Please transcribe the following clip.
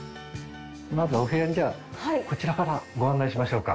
まずお部屋にじゃあこちらからご案内しましょうか。